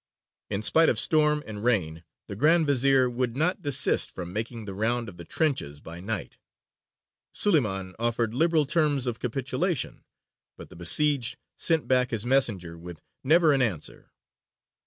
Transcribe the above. In spite of storm and rain the Grand Vezīr would not desist from making the round of the trenches by night. Suleymān offered liberal terms of capitulation, but the besieged sent back his messenger with never an answer.